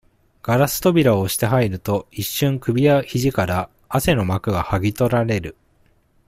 ガラス扉を押して入ると、一瞬、首や肘から、汗の膜が剥ぎとられる。